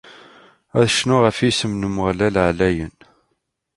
Ad cnuɣ ɣef yisem n Umeɣlal ɛlayen.